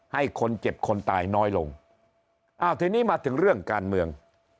ให้คนเจ็บคนตายน้อยลงอ้าวทีนี้มาถึงเรื่องการเมือง